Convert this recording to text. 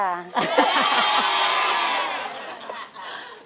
ใช่